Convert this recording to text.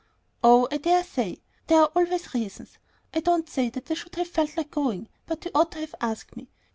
"Oh, I dare say! There are always reasons. I don't say that I should have felt like going, but he ought to have asked me.